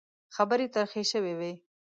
خبرې ترخې شوې وې.